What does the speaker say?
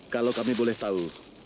kalau kami boleh tahu